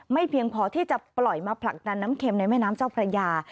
เพียงพอที่จะปล่อยมาผลักดันน้ำเข็มในแม่น้ำเจ้าพระยา